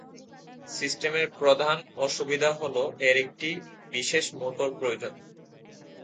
সিস্টেমের প্রধান অসুবিধা হল এর একটি বিশেষ মোটর প্রয়োজন।